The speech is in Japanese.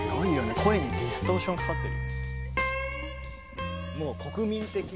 声にディストーションかかってる。